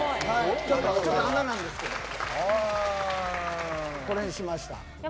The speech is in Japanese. ちょっと穴なんですけどこれにしました。